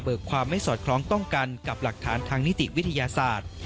ความไม่สอดคล้องต้องกันกับหลักฐานทางนิติวิทยาศาสตร์